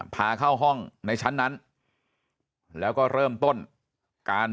พาเข้าห้องในชั้นนั้นแล้วก็เริ่มต้นการ